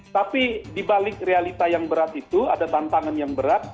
tapi dibalik realita yang berat itu ada tantangan yang berat